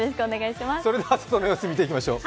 それでは外の様子を見ていきましょう。